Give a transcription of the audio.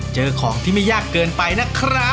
เจอของที่ไม่ยากเกินไปนะครับ